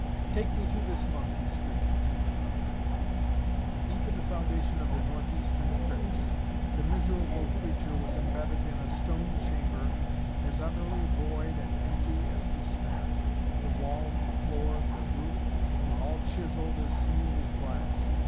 "Take me to this monk!" he screamed through the thunder. Deep in the foundation of the northeastern crypts the miserable creature was embedded in a stone chamber as utterly void and empty as despair. The walls, the floor, the roof were all chiselled as smooth as glass.